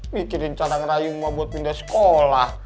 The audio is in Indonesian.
pikirin cara ngerayu rumah buat pindah sekolah